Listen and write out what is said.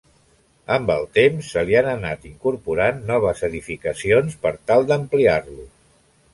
Amb el temps se li han anat incorporant noves edificacions per tal d'ampliar-lo.